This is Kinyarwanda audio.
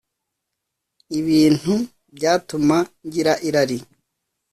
ibintu byatuma ngira irari